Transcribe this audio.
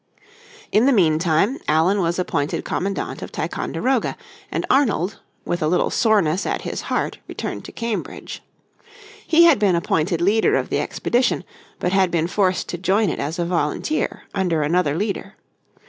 In the meantime Allen was appointed commandment of Ticonderoga, and Arnold, with a little soreness at his heart returned to Cambridge. He had been appointed leader of the expedition, but had been forced to join it as a volunteer under another leader.